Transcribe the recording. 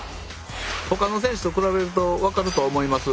他の選手と比べると分かると思います。